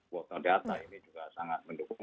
botol data ini juga sangat mendukung